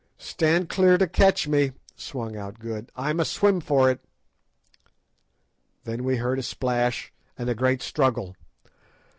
"Stand clear to catch me," sung out Good. "I must swim for it." Then we heard a splash, and a great struggle.